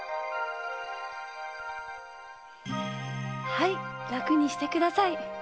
はいらくにしてください。